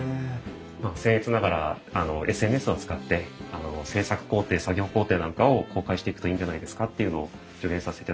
まあせん越ながらＳＮＳを使って制作工程作業工程なんかを公開していくといいんじゃないですかっていうのを助言させていただきました。